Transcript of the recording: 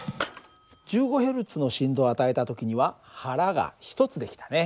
１５Ｈｚの振動を与えた時には腹が１つ出来たね。